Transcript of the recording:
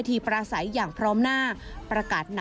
เข้าทางประโยชน์